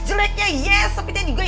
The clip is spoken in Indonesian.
jeleknya yes sepitnya juga yes